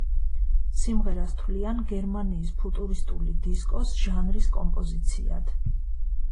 სიმღერას თვლიან გერმანიის ფუტურისტული დისკოს ჟანრის კომპოზიციად.